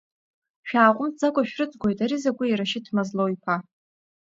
Шәааҟәымҵӡакәа шәрыҵгәоит ари закәи, Рашьыҭ мазлоу-иԥа?!